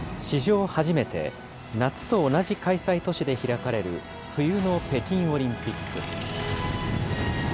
史上初めて、夏と同じ開催都市で開かれる冬の北京オリンピック。